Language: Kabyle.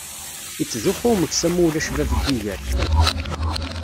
Ittzuxxu umeksa ma ulac bab n yiger.